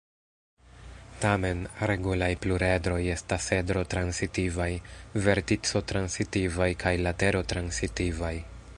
Tamen, regulaj pluredroj estas edro-transitivaj, vertico-transitivaj kaj latero-transitivaj.